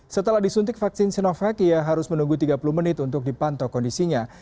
setelah disuntik vaksin sinovac ia harus menunggu tiga puluh menit untuk dipantau kondisinya